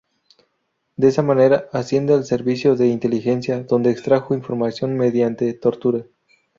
De esa manera asciende a el servicio de inteligencia, donde extrajo información mediante tortura.